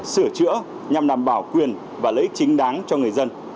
sửa chữa nhằm đảm bảo quyền và lợi ích chính đáng cho người dân